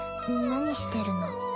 何してるの？